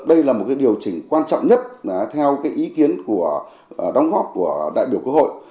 đây là một điều chỉnh quan trọng nhất theo ý kiến của đóng góp của đại biểu quốc hội